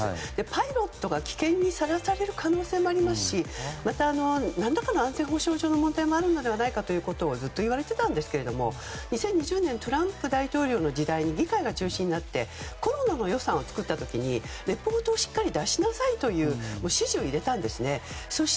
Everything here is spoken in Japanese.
パイロットが危険にさらされる可能性もありますしまた、何らかの安全保障上の問題もあるのではとずっと言われていたんですが２０２０年にトランプ大統領の時にレポートをしっかり出しなさいという指示を入れたんですね。